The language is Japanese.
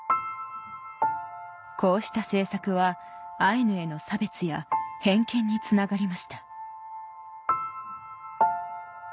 こうした政策はアイヌへの差別や偏見につながりました